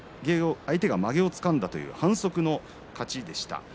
相手がまげをつかんだという反則の勝ちでした。